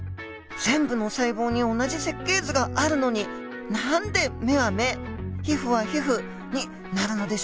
全部の細胞に同じ設計図があるのに何で目は目皮膚は皮膚になるのでしょうか？